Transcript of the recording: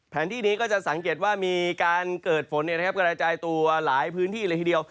ที่นี้ก็จะสังเกตว่ามีการเกิดฝนกระจายตัวหลายพื้นที่เลยทีเดียว